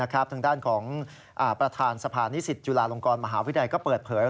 ทางด้านของประธานสภานิสิตจุฬาลงกรมหาวิทยาลัยก็เปิดเผย